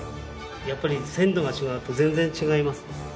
やっぱり鮮度が違うと全然違います。